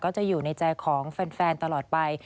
จะอยู่ในใจของแฟนตลอดไป